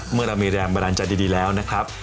เมื่อเรามีแรงบันดาลใจดีแล้วนะครับ